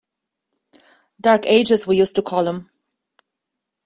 Dark Ages, we used to call 'em.